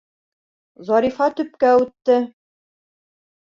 Зарифа төпкә үтте.